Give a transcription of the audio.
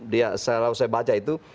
dia selalu saya baca itu